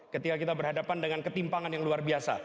ketika kita berhadapan dengan ketimpangan yang luar biasa